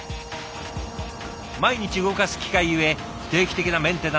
毎日動かす機械ゆえ定期的なメンテナンスが必要。